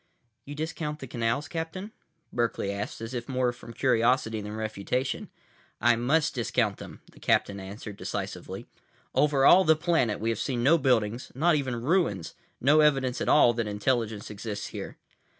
"You discount the canals, Captain?" Berkeley asked, as if more from curiosity than refutation. "I must discount them," the captain answered decisively. "Over all the planet we have seen no buildings, not even ruins, no evidence at all that intelligence exists here."